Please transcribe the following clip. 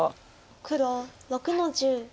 黒６の十。